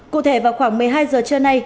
cụ thể vào khoảng một mươi hai giờ trưa nay